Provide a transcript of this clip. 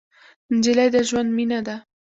نجلۍ د ژوند مینه ده.